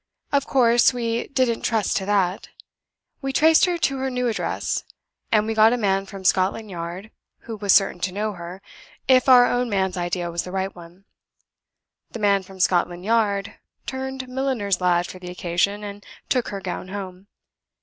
Of course, we didn't trust to that. We traced her to her new address; and we got a man from Scotland Yard, who was certain to know her, if our own man's idea was the right one. The man from Scotland Yard turned milliner's lad for the occasion, and took her gown home.